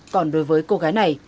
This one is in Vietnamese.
còn đối với cô gái này